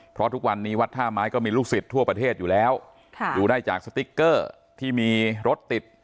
เพราะทุกวันนี้วัดท่าไม้ก็มีลูกศิษย์ทั่วประเทศอยู่แล้วดูได้จากสติ๊กเกอร์ที่มีรถติด